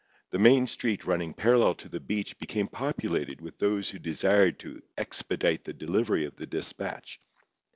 The main street running parallel to the beach became populated with those who desired to expedite the delivery of the despatch.